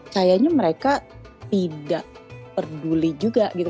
sayangnya mereka tidak peduli juga gitu